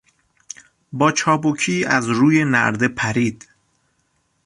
با چابکی از روی نرده پرید.